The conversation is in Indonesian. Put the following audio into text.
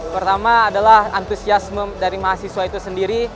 pertama adalah antusiasme dari mahasiswa itu sendiri